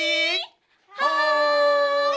はい！